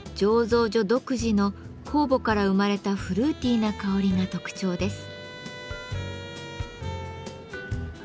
醸造所独自の酵母から生まれたフルーティーな香りが特徴です。